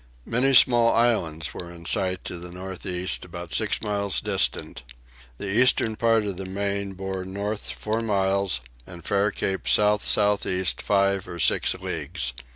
Many small islands were in sight to the north east about six miles distant. The eastern part of the main bore north four miles, and Fair Cape south south east five or six leagues.